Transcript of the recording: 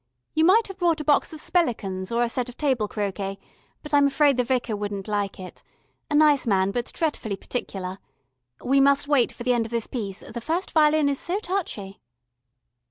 You might have brought a box of spellicans, or a set of table croquet, but I'm afraid the Vicar wouldn't like it. A nice man but dretfully particular. We must wait for the end of this piece, the first violin is so touchy."